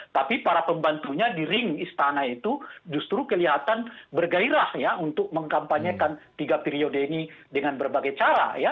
tapi para pembantunya di ring istana itu justru kelihatan bergairah ya untuk mengkampanyekan tiga periode ini dengan berbagai cara ya